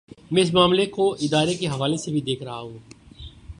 میں اس معاملے کو ادارے کے حوالے سے بھی دیکھ رہا ہوں۔